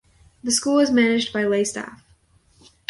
The school is managed by lay staff.